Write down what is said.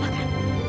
ibu mikirin apa